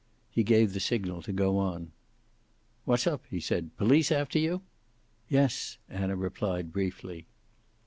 He gave the signal to go on. "What's up?" he said. "Police after you?" "Yes," Anna replied briefly.